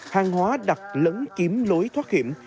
hàng hóa đặt lấn kiếm lối thoát hiểm